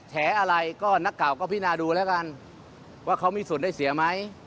แฉอะไรก็นักข่าวก็พินาดูแล้วกันว่าเขามีส่วนได้เสียไหม